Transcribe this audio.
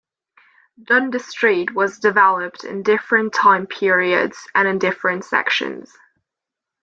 Dundas Street was developed in different time periods and in different sections.